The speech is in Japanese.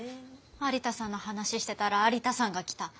有田さんの話してたら有田さんが来た。